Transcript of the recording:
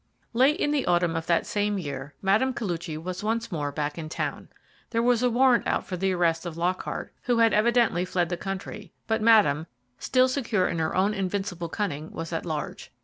LATE in the autumn of that same year Mme. Koluchy was once more back in town. There was a warrant out for the arrest of Lockhart, who had evidently fled the country; but Madame, still secure in her own invincible cunning, was at large.